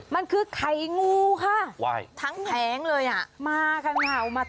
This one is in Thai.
มันเป็นเห็ดพันธุ์ใหม่แล้ว